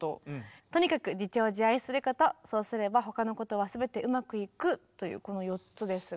「とにかく自重自愛することそうすれば他のことはすべてうまくいく」。というこの４つですが。